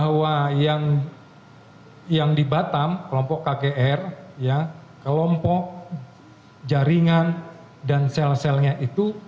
ya kalau dua saya bisa pastikan bahwa yang di batam kelompok kgr ya kelompok jaringan dan sel selnya itu